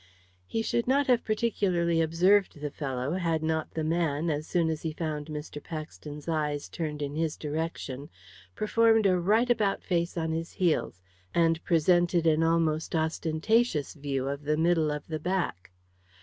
He should not have particularly observed the fellow had not the man, as soon as he found Mr. Paxton's eyes turned in his direction, performed a right about face on his heels, and presented an almost ostentatious view of the middle of the back.